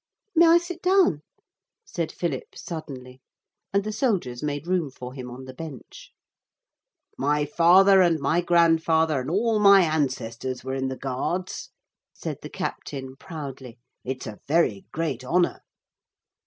'May I sit down?' said Philip suddenly, and the soldiers made room for him on the bench. 'My father and my grandfather and all my ancestors were in the guards,' said the captain proudly. 'It's a very great honour.'